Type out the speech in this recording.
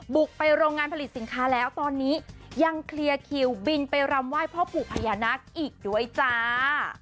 บุกไปโรงงานผลิตสินค้าแล้วตอนนี้ยังเคลียร์คิวบินไปรำไหว้พ่อปู่พญานาคอีกด้วยจ้า